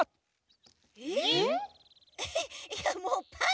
えっ！？